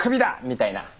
みたいな。